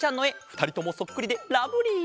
ふたりともそっくりでラブリー！